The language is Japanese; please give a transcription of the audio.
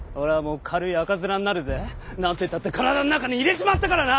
何てったって体ん中に入れちまったからな！